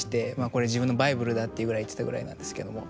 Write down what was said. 「これ自分のバイブルだ」っていうぐらい言ってたぐらいなんですけども。